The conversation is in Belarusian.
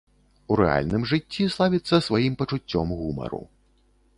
У рэальным жыцці славіцца сваім пачуццём гумару.